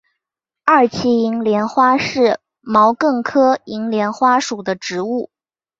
二歧银莲花是毛茛科银莲花属的植物。